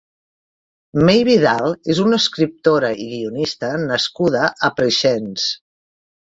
Mei Vidal és una escriptora i guionista nascuda a Preixens.